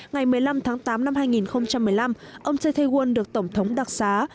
ngày một mươi năm tháng tám năm hai nghìn một mươi năm ông chae tae woon được tổng thống đặc giá